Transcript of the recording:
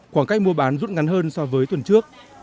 khoảng cách mua bán rút ngắn hơn so với tuần trước